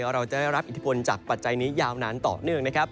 เราจะได้รับอิทธิพลจากปัจจัยนี้ยาวนานต่อเนื่องนะครับ